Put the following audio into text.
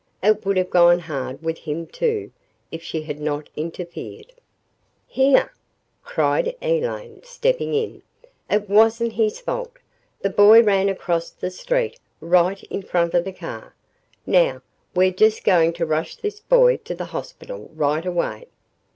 It would have gone hard with him, too, if she had not interfered. "Here!" cried Elaine, stepping in. "It wasn't his fault. The boy ran across the street right in front of the car. Now we're just going to rush this boy to the hospital right away!"